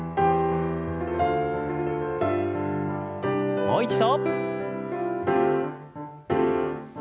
もう一度。